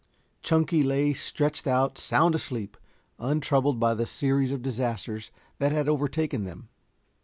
Chunky lay stretched out sound asleep, untroubled by the series of disasters that had overtaken them.